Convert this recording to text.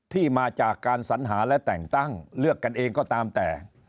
มาจากการสัญหาและแต่งตั้งเลือกกันเองก็ตามแต่